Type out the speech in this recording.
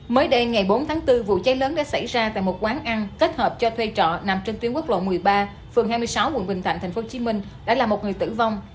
mới đây ngày bốn tháng bốn vụ cháy lớn đã xảy ra tại một quán ăn kết hợp cho thuê trọ nằm trên tuyến quốc lộ một mươi ba phường hai mươi sáu quận bình thạnh thành phố hồ chí minh đã là một người tử vong